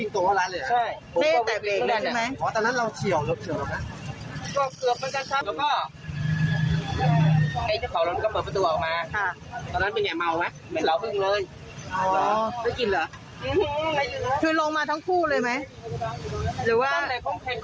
คุณเพราะว่าเห็นคุณเดียวนะ